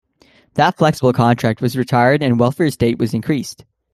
That flexible contract was retired and welfare state was increased.